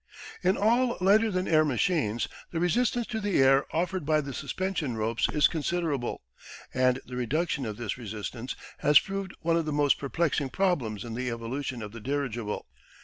In all lighter than air machines the resistance to the air offered by the suspension ropes is considerable, and the reduction of this resistance has proved one of the most perplexing problems in the evolution of the dirigible.